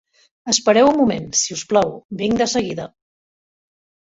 Espereu un moment, si us plau: vinc de seguida.